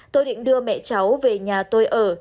tôi định đưa mẹ cháu về nhà tôi ở